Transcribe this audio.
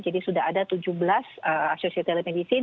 jadi sudah ada tujuh belas asosiasi telemedicine